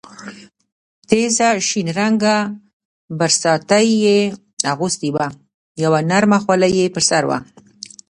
تېزه شین رنګه برساتۍ یې اغوستې وه، یوه نرمه خولۍ یې پر سر وه.